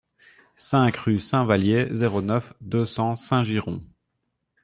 cinq rue Saint-Valier, zéro neuf, deux cents Saint-Girons